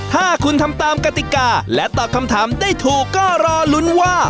ถ้าคุณทำตามกติกาและตอบคำถามได้ถูกก็รอลุ้นว่า